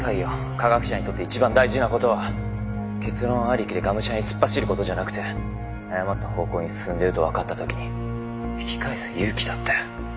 科学者にとって一番大事な事は結論ありきでがむしゃらに突っ走る事じゃなくて誤った方向に進んでいるとわかった時に引き返す勇気だって。